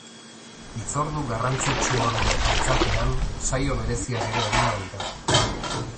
Hitzordu garrantzitsu honen aitzakian saio bereziak ere egingo dira.